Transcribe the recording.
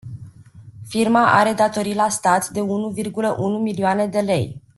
Firma are datorii la stat de unu virgulă unu milioane de lei.